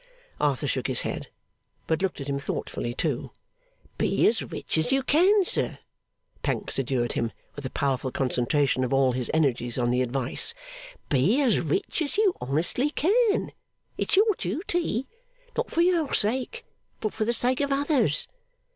Arthur shook his head, but looked at him thoughtfully too. 'Be as rich as you can, sir,' Pancks adjured him with a powerful concentration of all his energies on the advice. 'Be as rich as you honestly can. It's your duty. Not for your sake, but for the sake of others.